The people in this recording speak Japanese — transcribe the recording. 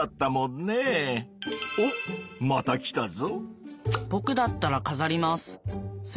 おっまた来たぞ。